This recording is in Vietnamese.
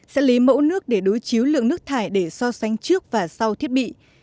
sẽ lấy mẫu nước để đối chiếu lượng nước thải để so sánh trước và sau thiết bị